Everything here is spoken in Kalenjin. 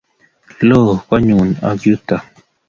Lo Konnyu ak yutok